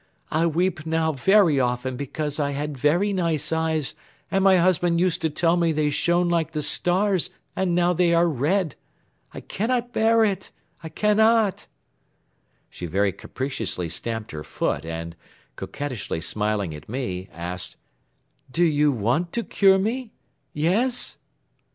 I weep now very often because I had very nice eyes and my husband used to tell me they shone like the stars and now they are red. I cannot bear it, I cannot!" She very capriciously stamped her foot and, coquettishly smiling at me, asked: "Do you want to cure me? Yes?"